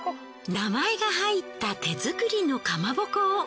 名前が入った手作りのかまぼこを。